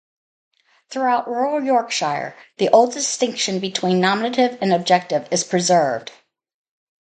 Throughout rural Yorkshire, the old distinction between nominative and objective is preserved.